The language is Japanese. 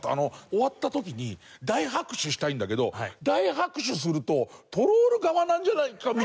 終わった時に大拍手したいんだけど大拍手するとトロール側なんじゃないかみたいな。